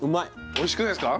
おいしくないすか？